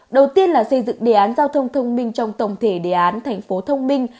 đầu tiên là xây dựng đề án giao thông thông minh trong tổng thể đề án thành phố thông minh